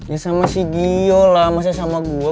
ya sama si gio lah maksudnya sama gue